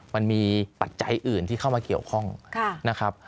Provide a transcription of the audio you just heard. ปัจจัยอื่นที่เข้ามาเกี่ยวข้องนะครับ